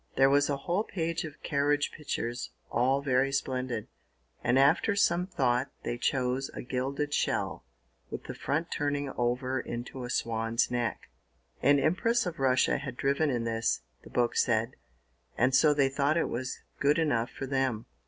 There was a whole page of carriage pictures, all very splendid, and after some thought they chose a gilded shell, with the front turning over into a swan's neck. An Empress of Russia had driven in this, the book said, and so they thought it was good enough for them.